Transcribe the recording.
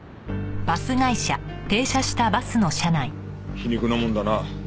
皮肉なもんだな。